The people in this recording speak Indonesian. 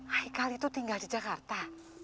haikal itu tinggal di jakarta